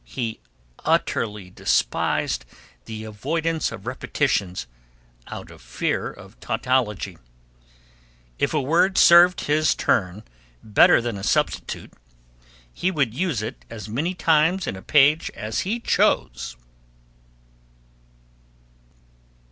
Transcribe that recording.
He utterly despised the avoidance of repetitions out of fear of tautology. If a word served his turn better than a substitute, he would use it as many times in a page as he chose.